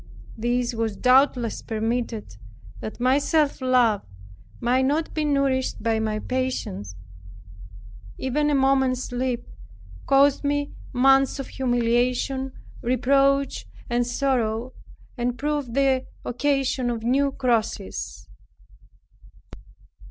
This was doubtless permitted, that my self love might not be nourished by my patience. Even a moment's slip caused me months of humiliation, reproach and sorrow, and proved the occasion of new crosses.